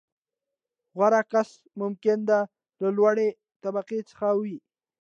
• غوره کس ممکنه ده، له لوړې طبقې څخه وي.